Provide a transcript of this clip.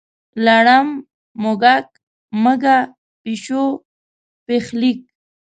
لړم، موږک، مږه، پیشو، پیښلیک.